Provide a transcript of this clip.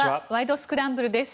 スクランブル」です。